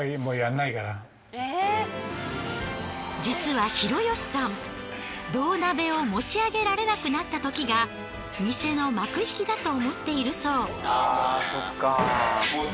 実は廣良さん銅鍋を持ち上げられなくなったときが店の幕引きだと思っているそう。